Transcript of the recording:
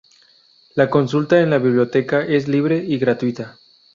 La consulta en la biblioteca es libre y gratuita.